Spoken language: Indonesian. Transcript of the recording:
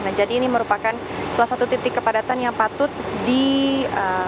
nah jadi ini merupakan salah satu titik kepadatan yang patut dilakukan